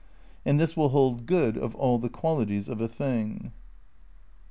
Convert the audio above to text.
^ And this will hold good of all the qualities of a thing.